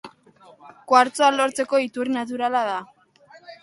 Kuartzoa lortzeko iturri naturala da.